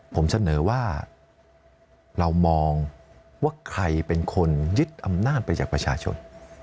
ผมเสนอว่าเรามองว่าใครเป็นคนยึดอำนาจไปจากประชาชน